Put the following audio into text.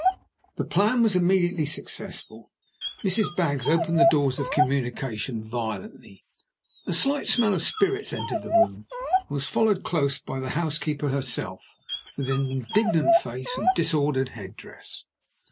The plan was immediately successful. Mrs. Baggs opened the doors of communication violently. A slight smell of spirits entered the room, and was followed close by the housekeeper herself, with an indignant face and a disordered head dress.